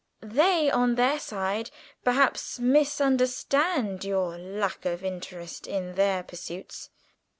"They, on their side, perhaps misunderstand your lack of interest in their pursuits.